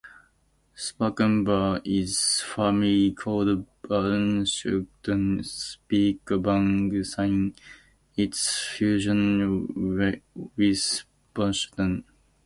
Spakenburg is formally called Bunschoten-Spakenburg since its fusion with Bunschoten.